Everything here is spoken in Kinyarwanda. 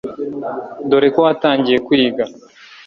dore ko watangiye kwiga